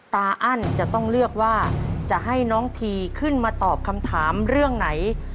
อั้นจะต้องเลือกว่าจะให้น้องทีขึ้นมาตอบคำถามเรื่องไหน